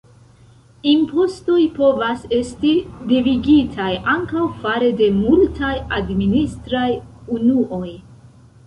Impostoj povas esti devigitaj ankaŭ fare de multaj administraj unuoj.